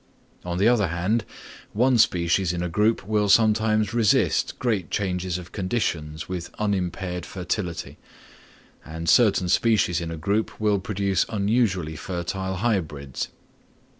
On the other hand, one species in a group will sometimes resist great changes of conditions with unimpaired fertility; and certain species in a group will produce unusually fertile hybrids.